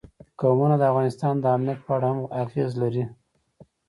قومونه د افغانستان د امنیت په اړه هم اغېز لري.